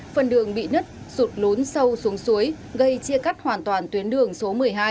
phần đường bị nứt sụt lốn sâu xuống suối gây chia cắt hoàn toàn tuyến đường số một mươi hai